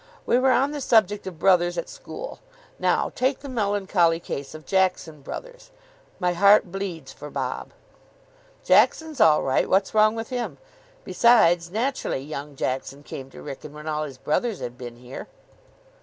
We were on the subject of brothers at school. Now, take the melancholy case of Jackson Brothers. My heart bleeds for Bob." "Jackson's all right. What's wrong with him? Besides, naturally, young Jackson came to Wrykyn when all his brothers had been here."